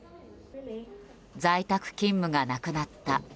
在宅勤務がなくなった。